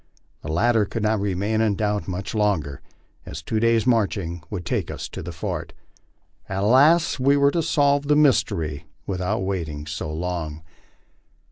The latter could not remain in doubt much longer, as two days' marching would take us to the fort. Alas ! we were to solve the mystery without waiting so long.